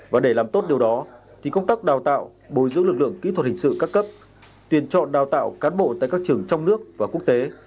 và để làm tốt điều đó thì công tác đào tạo bồi dưỡng lực lượng kỹ thuật hình sự các cấp tuyển chọn đào tạo cán bộ tại các trường trong nước và quốc tế